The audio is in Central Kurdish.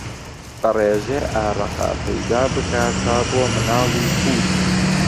دەڕێژێ ئارەقە، پەیدا بکا تا بۆ مناڵی قووت